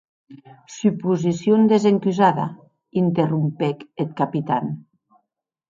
Suposicion desencusada, interrompec eth Capitan.